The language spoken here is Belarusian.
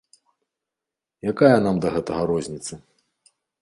Якая нам да гэтага розніца?